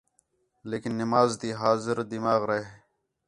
لیکن نماز تی حاضر دماغ رِہ